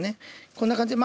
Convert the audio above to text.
こんな感じで。